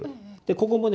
ここもね